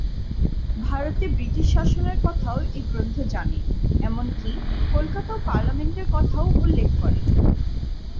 ভারতে ব্রিটিশ শাসনের কথাও এ গ্রন্থ জানে, এমনকি কলকাতা ও পার্লামেন্টের কথাও উল্লেখ করে।